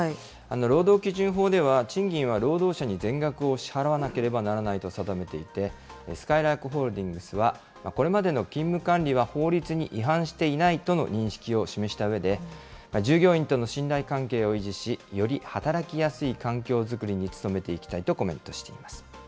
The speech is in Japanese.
労働基準法では、賃金は労働者に全額を支払わなければならないと定めていて、すかいらーくホールディングスは、これまでの勤務管理は法律に違反していないとの認識を示したうえで、従業員との信頼関係を維持し、より働きやすい環境作りに努めていきたいとコメントしています。